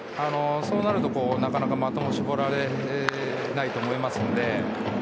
そうなると、なかなか的を絞られないと思いますので。